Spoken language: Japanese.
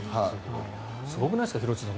すごくないですか廣津留さん